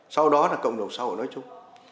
sau đó là cộng đồng xã hội nói chung